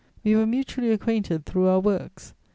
We were mutually acquainted through our works.